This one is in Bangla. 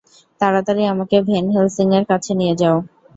তাড়াতাড়ি আমাকে ভেন হেলসিং এর কাছে নিয়ে যাও।